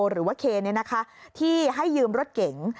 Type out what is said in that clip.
หรือว่าเคร์นี่นะคะที่ให้ยืมรถเก๋ง